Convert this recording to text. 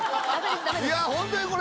いやホントにこれ。